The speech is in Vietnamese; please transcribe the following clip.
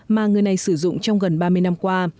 mà người này sử dụng trong gần ba mươi năm qua